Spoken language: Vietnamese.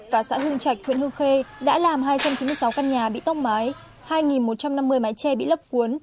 và xã hương trạch huyện hương khê đã làm hai trăm chín mươi sáu căn nhà bị tốc mái hai một trăm năm mươi mái tre bị lấp cuốn